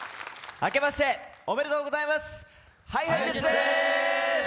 明けましておめでとうございます！ＨｉＨｉＪｅｔｓです！